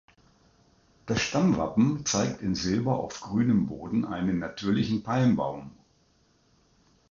Das Stammwappen zeigt in Silber auf grünem Boden einen natürlichen Palmbaum.